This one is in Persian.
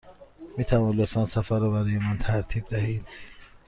می توانید لطفاً سفر را برای من ترتیب دهید؟